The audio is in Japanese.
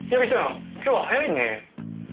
今日は早いね。